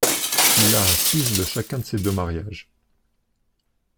Il a un fils de chacun de ses deux mariages.